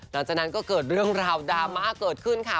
หลังจากนั้นก็เกิดเรื่องราวดราม่าเกิดขึ้นค่ะ